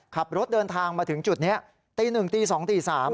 ขับรถเดินทางมาถึงจุดนี้ตี๑ตี๒ตี๓